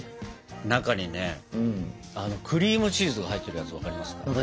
中にねクリームチーズが入ってるやつわかりますか？